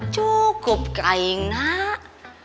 cukup kain nak